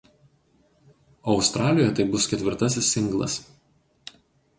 O Australijoje tai bus ketvirtasis singlas.